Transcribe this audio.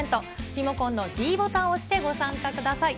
リモコンのｄボタンを押してご参加ください。